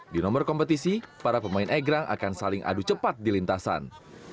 di nomor kompetisi para pemain egrang akan saling adu cepat di lintasan